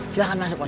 silahkan masuk pak